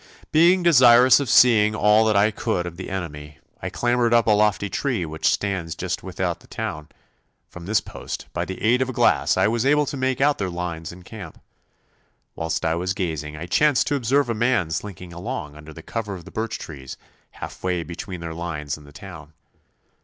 'Being desirous of seeing all that I could of the enemy, I clambered up a lofty tree which stands just without the town. From this post, by the aid of a glass, I was able to make out their lines and camp. Whilst I was gazing I chanced to observe a man slinking along under cover of the birch trees half way between their lines and the town.